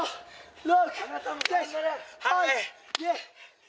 ６！